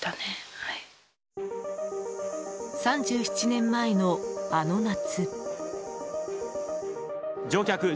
３７年前のあの夏。